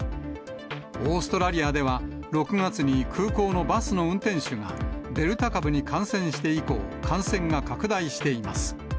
オーストラリアでは６月に空港のバスの運転手がデルタ株に感染して以降、感染が拡大しています。